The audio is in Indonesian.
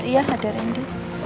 iya ada rendy